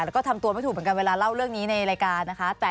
แล้วก็ทำตัวไม่ถูกเหมือนกันเวลาเล่าเรื่องนี้ในรายการนะคะ